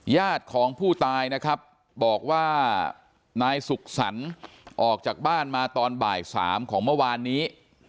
ญาติของผู้ตายนะครับบอกว่านายสุขสรรค์ออกจากบ้านมาตอนบ่าย๓ของเมื่อวานนี้